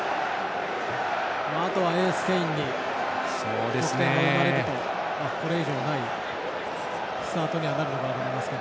あとはエース、ケインにゴールが生まれればこれ以上ないスタートになるかなと思いますが。